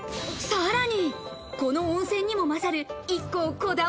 さらに、この温泉にも勝るＩ